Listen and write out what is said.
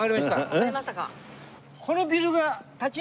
わかりましたか？